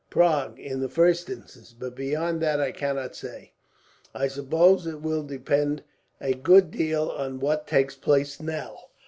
"Prague in the first instance, but beyond that I cannot say. I suppose it will depend a good deal on what takes place now.